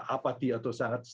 apati atau sangat